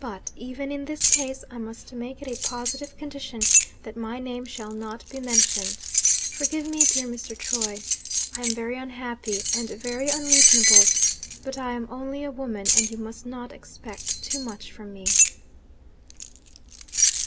But, even in this case, I must make it a positive condition that my name shall not be mentioned. Forgive me, dear Mr. Troy! I am very unhappy, and very unreasonable but I am only a woman, and you must not expect too much from me.'